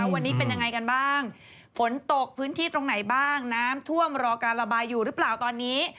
วันนี้เป็นยังไงกันบ้างฝนตกพื้นที่ตรงไหนบ้างน้ำท่วมรอการระบายอยู่หรือเปล่าตอนนี้